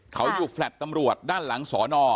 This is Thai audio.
เขาอยู่แฟลต์ตำรวจด้านหลังสอนอ